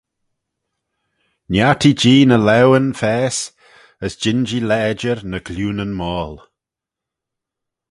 Niartee-jee ny laueyn faase, as jean-jee lajer ny glioonyn moal.